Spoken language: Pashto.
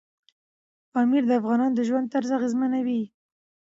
پامیر د افغانانو د ژوند طرز اغېزمنوي.